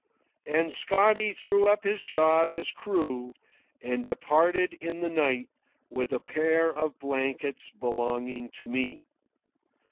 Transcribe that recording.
And Scotty threw up his job as crew, and departed in the night with a pair of blankets belonging to me.